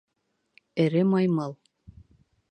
Эре маймыл.